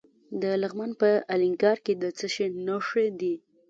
د لغمان په الینګار کې د څه شي نښې دي؟